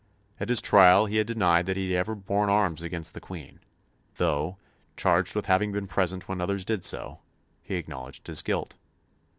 At his trial he had denied that he had ever borne arms against the Queen; though, charged with having been present when others did so, he acknowledged his guilt.